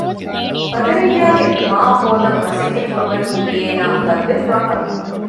ބަދުރިއްޔާގެ މަޢާފް ހޯދަން މަސައްކަތް ކުރުމަކީ އޭނާ ލަދުވެތިވާ ކަމެއް